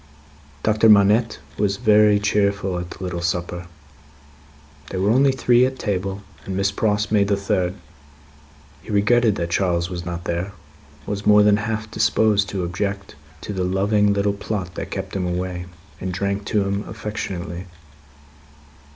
Doctor Manette was very cheerful at the little supper. They were only three at table, and Miss Pross made the third. He regretted that Charles was not there; was more than half disposed to object to the loving little plot that kept him away; and drank to him affectionately.